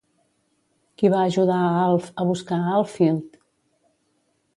Qui va ajudar a Alf a buscar a Alfhild?